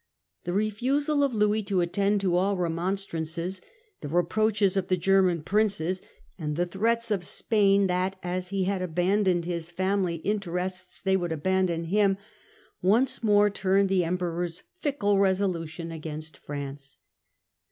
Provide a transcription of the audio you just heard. The refusal of Louis to attend to all remonstrances, the reproaches of the German Princes, and the threats of Spain that, as he had abandoned his family interests, they would abandon him, once more turned the Emperor's fickle resolution against France.